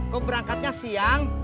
kok berangkatnya siang